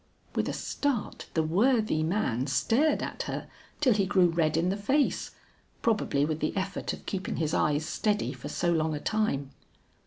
With a start the worthy man stared at her till he grew red in the face, probably with the effort of keeping his eyes steady for so long a time.